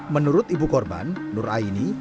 menurut ibu korban nur aini